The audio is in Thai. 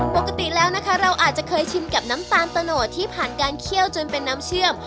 ปกติแล้วนะคะเราอาจจะเคยชินกับน้ำตาลตะโนดที่ผ่านการเคี่ยวจนเป็นน้ำเชื่อม